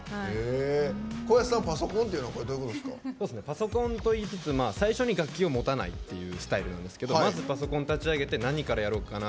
パソコンといいつつ最初に楽器を持たないっていうスタイルなんですけどまずパソコン立ち上げて何からやろうかなって。